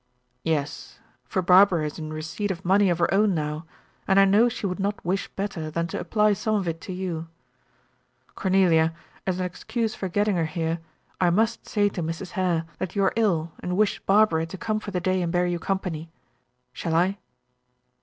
"Yes; for Barbara is in receipt of money of her own now, and I know she would not wish better than to apply some of it to you. Cornelia, as an excuse for getting her here, I must say to Mrs. Hare that you are ill, and wish Barbara to come for the day and bear your company. Shall I?"